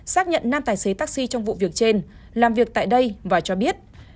xác nhận năm tài xế taxi trong vụ việc trên làm việc tại đây và cho biết